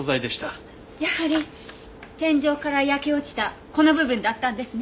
やはり天井から焼け落ちたこの部分だったんですね。